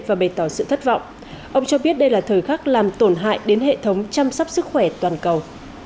và bày tỏ sự thất vọng ông cho biết đây là thời khắc làm tổn hại đến hệ thống chăm sóc sức khỏe toàn cầu